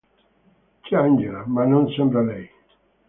C'è Angela, ma non sembra lei.